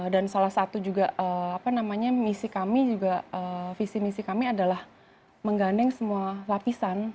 dan salah satu juga apa namanya misi kami juga visi misi kami adalah menggandeng semua lapisan